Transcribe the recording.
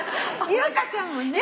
優香ちゃんもね。